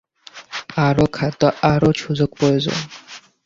আরও খাদ্য, আরও সুযোগ প্রয়োজন।